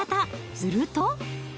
すると。